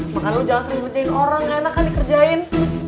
makanya lo jangan sering bejain orang enak kan dikerjain